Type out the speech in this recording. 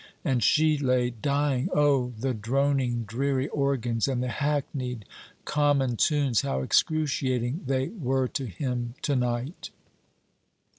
And she lay dying! O, the droning, dreary organs, and the hackneyed, common tunes, how excruciating they were to him to night!